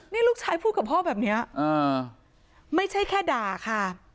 นี่ลูกชายพูดกับพ่อแบบนี้ไม่ใช่แค่ด่าค่ะ